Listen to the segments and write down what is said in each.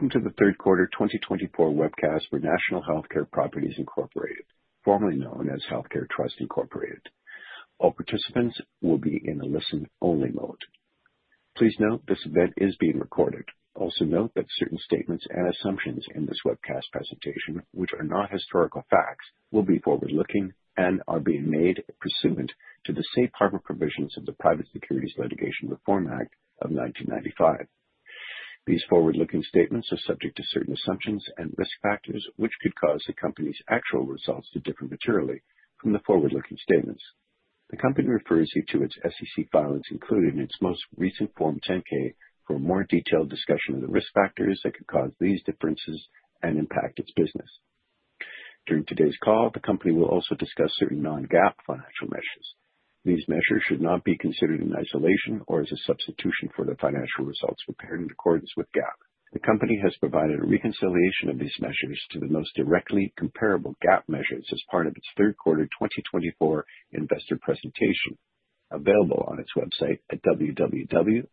Welcome to the third quarter 2024 webcast for National Healthcare Properties, Inc., formerly known as Healthcare Trust, Inc.. All participants will be in a listen-only mode. Please note this event is being recorded. Also note that certain statements and assumptions in this webcast presentation, which are not historical facts, will be forward-looking and are being made pursuant to the safe harbor provisions of the Private Securities Litigation Reform Act of 1995. These forward-looking statements are subject to certain assumptions and risk factors, which could cause the company's actual results to differ materially from the forward-looking statements. The company refers you to its SEC filings, including its most recent Form 10-K for a more detailed discussion of the risk factors that could cause these differences and impact its business. During today's call, the company will also discuss certain non-GAAP financial measures. These measures should not be considered in isolation or as a substitution for the financial results prepared in accordance with GAAP. The company has provided a reconciliation of these measures to the most directly comparable GAAP measures as part of its third quarter 2024 investor presentation, available on its website at www.nhpreit.com.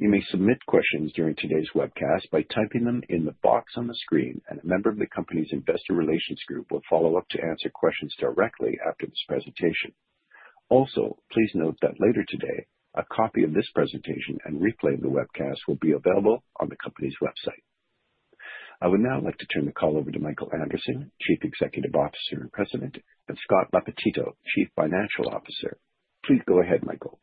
You may submit questions during today's webcast by typing them in the box on the screen, a member of the company's investor relations group will follow up to answer questions directly after this presentation. Please note that later today, a copy of this presentation and replay of the webcast will be available on the company's website. I would now like to turn the call over to Michael Anderson, Chief Executive Officer and President, and Scott Lappetito, Chief Financial Officer. Please go ahead, Michael.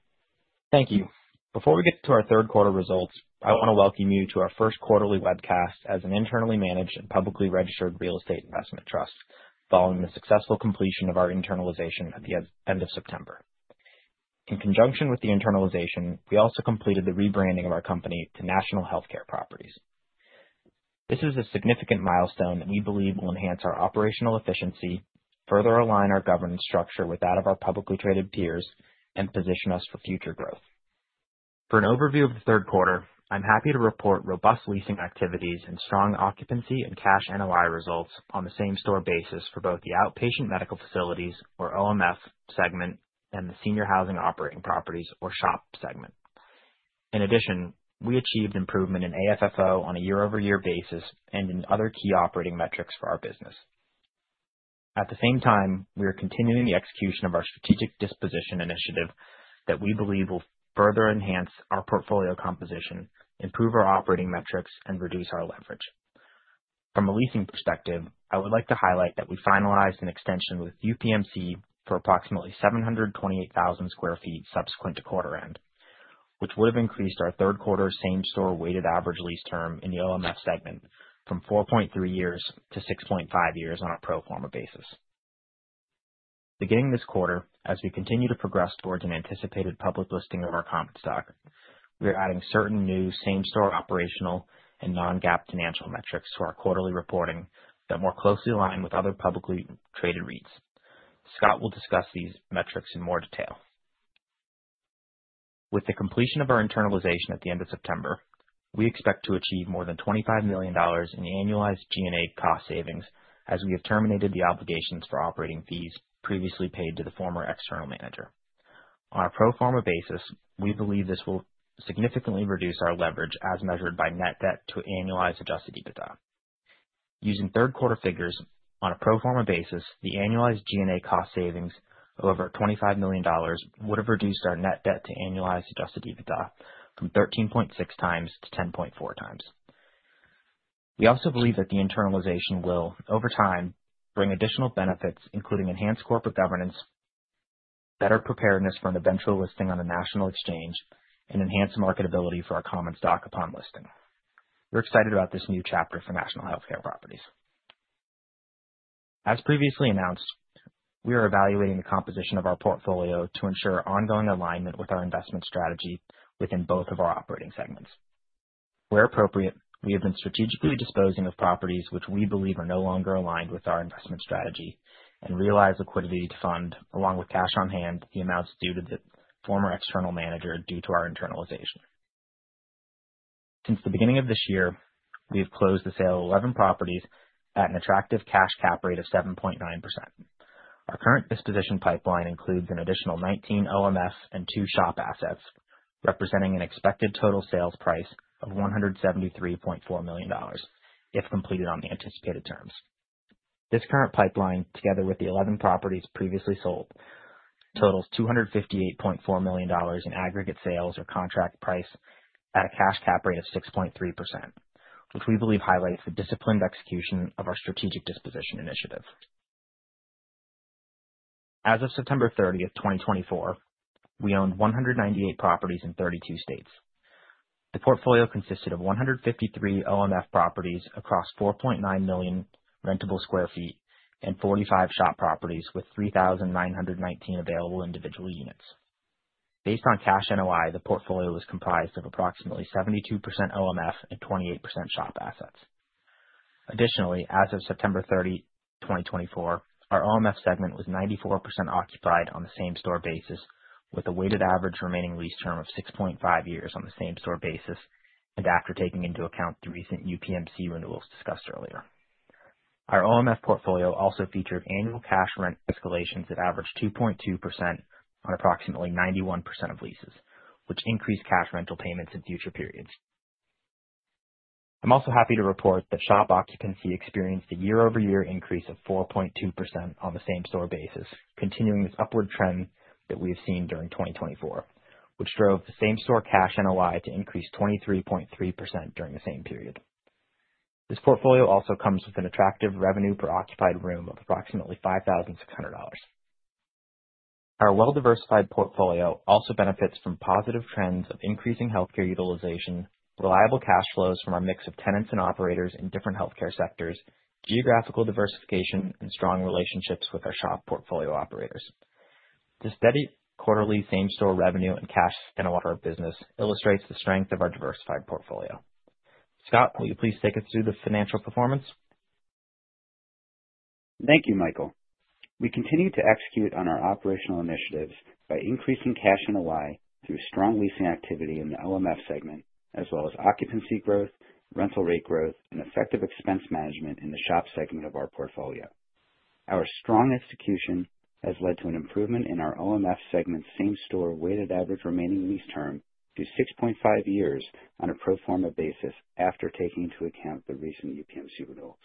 Thank you. Before we get to our third quarter results, I want to welcome you to our first quarterly webcast as an internally managed and publicly registered real estate investment trust, following the successful completion of our internalization at the end of September. In conjunction with the internalization, we also completed the rebranding of our company to National Healthcare Properties. This is a significant milestone that we believe will enhance our operational efficiency, further align our governance structure with that of our publicly traded peers, and position us for future growth. For an overview of the third quarter, I'm happy to report robust leasing activities and strong occupancy and cash NOI results on the same-store basis for both the outpatient medical facilities, or OMF segment, and the senior housing operating properties, or SHOP segment. We achieved improvement in AFFO on a year-over-year basis and in other key operating metrics for our business. At the same time, we are continuing the execution of our strategic disposition initiative that we believe will further enhance our portfolio composition, improve our operating metrics, and reduce our leverage. From a leasing perspective, I would like to highlight that we finalized an extension with UPMC for approximately 728,000 sq ft subsequent to quarter end, which would have increased our third quarter same-store weighted average lease term in the OMF segment from 4.3 years to 6.5 years on a pro forma basis. Beginning this quarter, as we continue to progress towards an anticipated public listing of our common stock, we are adding certain new same-store operational and non-GAAP financial metrics to our quarterly reporting that more closely align with other publicly traded REITs. Scott will discuss these metrics in more detail. With the completion of our internalization at the end of September, we expect to achieve more than $25 million in annualized G&A cost savings as we have terminated the obligations for operating fees previously paid to the former external manager. On a pro forma basis, we believe this will significantly reduce our leverage as measured by net debt to annualized adjusted EBITDA. Using third quarter figures on a pro forma basis, the annualized G&A cost savings of over $25 million would have reduced our net debt to annualized adjusted EBITDA from 13.6 times to 10.4 times. We also believe that the internalization will, over time, bring additional benefits, including enhanced corporate governance, better preparedness for an eventual listing on a national exchange, and enhanced marketability for our common stock upon listing. We're excited about this new chapter for National Healthcare Properties. As previously announced, we are evaluating the composition of our portfolio to ensure ongoing alignment with our investment strategy within both of our operating segments. Where appropriate, we have been strategically disposing of properties which we believe are no longer aligned with our investment strategy and realize liquidity to fund, along with cash on hand, the amounts due to the former external manager due to our internalization. Since the beginning of this year, we have closed the sale of 11 properties at an attractive cash cap rate of 7.9%. Our current disposition pipeline includes an additional 19 OMF and two SHOP assets, representing an expected total sales price of $173.4 million if completed on the anticipated terms. This current pipeline, together with the 11 properties previously sold, totals $258.4 million in aggregate sales or contract price at a cash cap rate of 6.3%, which we believe highlights the disciplined execution of our strategic disposition initiative. As of September 30th, 2024, we owned 198 properties in 32 states. The portfolio consisted of 153 OMF properties across 4.9 million rentable sq ft and 45 SHOP properties with 3,919 available individual units. Based on cash NOI, the portfolio was comprised of approximately 72% OMF and 28% SHOP assets. Additionally, as of September 13, 2024, our OMF segment was 94% occupied on the same-store basis, with a weighted average remaining lease term of 6.5 years on the same-store basis and after taking into account the recent UPMC renewals discussed earlier. Our OMF portfolio also featured annual cash rent escalations that averaged 2.2% on approximately 91% of leases, which increased cash rental payments in future periods. I'm also happy to report that SHOP occupancy experienced a year-over-year increase of 4.2% on the same-store basis, continuing this upward trend that we have seen during 2024, which drove the same-store cash NOI to increase 23.3% during the same period. This portfolio also comes with an attractive revenue per occupied room of approximately $5,600. Our well-diversified portfolio also benefits from positive trends of increasing healthcare utilization, reliable cash flows from our mix of tenants and operators in different healthcare sectors, geographical diversification, and strong relationships with our SHOP portfolio operators. The steady quarterly same-store revenue and cash flow of our business illustrates the strength of our diversified portfolio. Scott, will you please take us through the financial performance? Thank you, Michael. We continue to execute on our operational initiatives by increasing cash NOI through strong leasing activity in the OMF segment, as well as occupancy growth, rental rate growth, and effective expense management in the SHOP segment of our portfolio. Our strong execution has led to an improvement in our OMF segment same-store weighted average remaining lease term to 6.5 years on a pro forma basis after taking into account the recent UPMC renewals.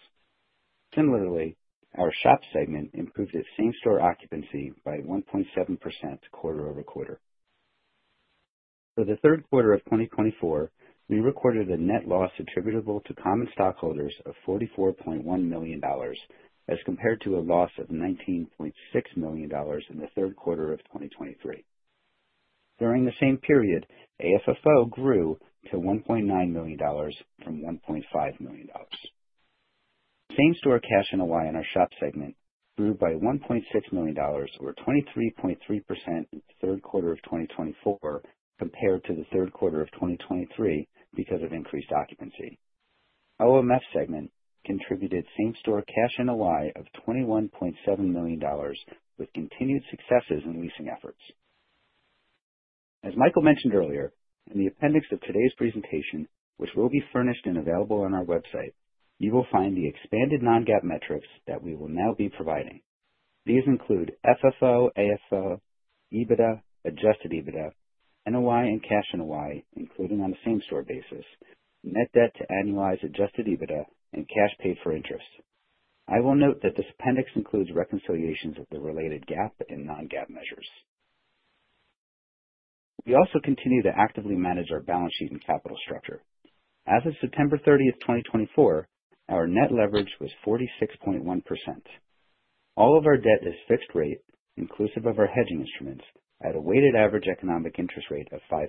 Similarly, our SHOP segment improved its same-store occupancy by 1.7% quarter-over-quarter. For the third quarter of 2024, we recorded a net loss attributable to common stockholders of $44.1 million as compared to a loss of $19.6 million in the third quarter of 2023. During the same period, AFFO grew to $1.9 million from $1.5 million. Same-store cash NOI in our SHOP segment grew by $1.6 million or 23.3% in the third quarter of 2024 compared to the third quarter of 2023 because of increased occupancy. OMF segment contributed same-store cash NOI of $21.7 million with continued successes in leasing efforts. As Michael mentioned earlier, in the appendix of today's presentation, which will be furnished and available on our website, you will find the expanded non-GAAP metrics that we will now be providing. These include FFO, AFFO, EBITDA, adjusted EBITDA, NOI and cash NOI, including on a same-store basis, net debt to annualize adjusted EBITDA, and cash paid for interest. I will note that this appendix includes reconciliations of the related GAAP and non-GAAP measures. We also continue to actively manage our balance sheet and capital structure. As of September 13, 2024, our net leverage was 46.1%. All of our debt is fixed-rate, inclusive of our hedging instruments, at a weighted average economic interest rate of 5%.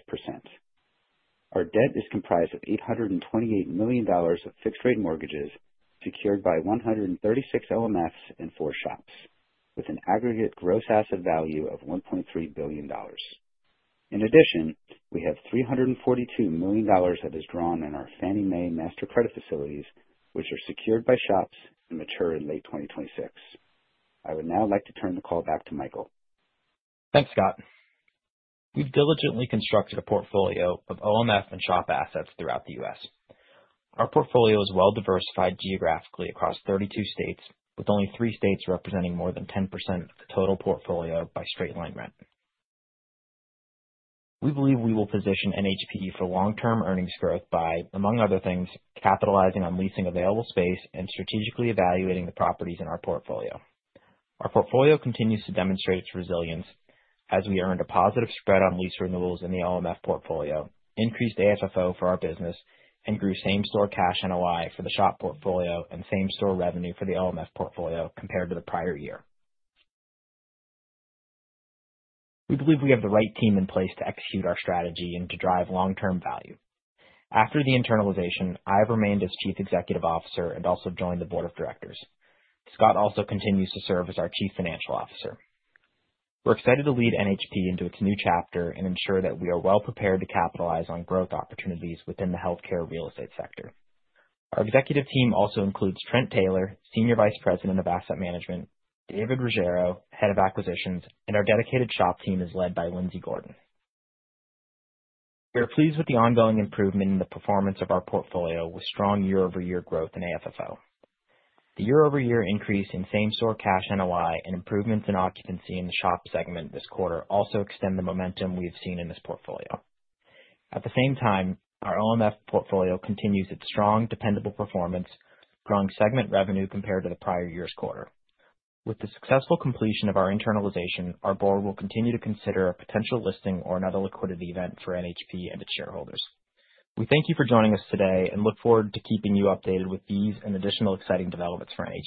Our debt is comprised of $828 million of fixed-rate mortgages secured by 136 OMFs and 4 SHOPs, with an aggregate gross asset value of $1.3 billion. In addition, we have $342 million that is drawn in our Fannie Mae master credit facilities, which are secured by SHOPs and mature in late 2026. I would now like to turn the call back to Michael. Thanks, Scott. We've diligently constructed a portfolio of OMF and SHOP assets throughout the U.S. Our portfolio is well-diversified geographically across 32 states, with only three states representing more than 10% of the total portfolio by straight-line rent. We believe we will position NHP for long-term earnings growth by, among other things, capitalizing on leasing available space and strategically evaluating the properties in our portfolio. Our portfolio continues to demonstrate its resilience as we earned a positive spread on lease renewals in the OMF portfolio, increased AFFO for our business, and grew same-store cash NOI for the SHOP portfolio and same-store revenue for the OMF portfolio compared to the prior year. We believe we have the right team in place to execute our strategy and to drive long-term value. After the internalization, I have remained as Chief Executive Officer and also joined the board of directors. Scott also continues to serve as our Chief Financial Officer. We're excited to lead NHP into its new chapter and ensure that we are well prepared to capitalize on growth opportunities within the healthcare real estate sector. Our executive team also includes Trent Taylor, Senior Vice President of Asset Management, David Ruggiero, head of acquisitions, and our dedicated SHOP team is led by Lindsay Gordon. We are pleased with the ongoing improvement in the performance of our portfolio with strong year-over-year growth in AFFO. The year-over-year increase in same-store cash NOI and improvements in occupancy in the SHOP segment this quarter also extend the momentum we have seen in this portfolio. At the same time, our OMF portfolio continues its strong, dependable performance, growing segment revenue compared to the prior year's quarter. With the successful completion of our internalization, our board will continue to consider a potential listing or another liquidity event for NHP and its shareholders. We thank you for joining us today and look forward to keeping you updated with these and additional exciting developments for NHP